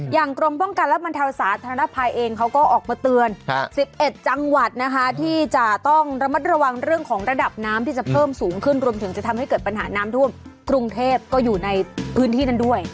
กรมป้องกันและบรรเทาสาธารณภัยเองเขาก็ออกมาเตือน๑๑จังหวัดนะคะที่จะต้องระมัดระวังเรื่องของระดับน้ำที่จะเพิ่มสูงขึ้นรวมถึงจะทำให้เกิดปัญหาน้ำท่วมกรุงเทพก็อยู่ในพื้นที่นั้นด้วย